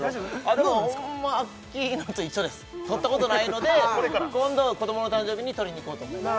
でもホンマアッキーナと一緒です撮ったことないので今度子どもの誕生日に撮りに行こうと思います